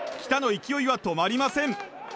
来田の勢いは止まりません。